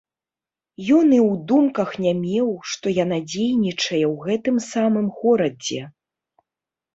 Ён і ў думках не меў, што яна дзейнічае ў гэтым самым горадзе.